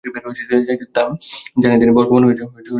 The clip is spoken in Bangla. জানি জানি তর্কবাণ হয়ে যাবে খান খান।